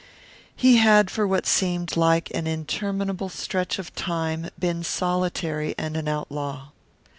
He had for what seemed like an interminable stretch of time been solitary and an outlaw.